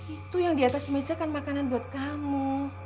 itu yang di atas meja kan makanan buat kamu